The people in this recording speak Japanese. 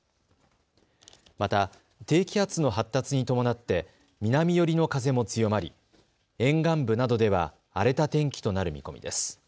また、低気圧の発達に伴って南寄りの風も強まり沿岸部などでは荒れた天気となる見込みです。